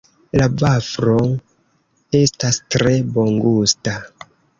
La vaflo estas tre bongusta.